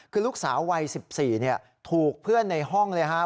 คือลูกสาววัย๑๔ถูกเพื่อนในห้องเลยครับ